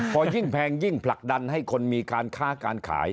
พอยิ่งแพงยิ่งผลักดันให้คนมีการค้าการขาย